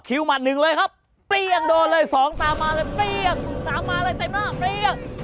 คิวมาหนึ่งเลยครับโดนเลยสองตามมาเลยสองตามมาเลยเต็มน่ะ